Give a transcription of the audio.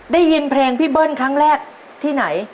ได้ยินเพลงพี่เบิ้ลครั้งแรกที่ไหน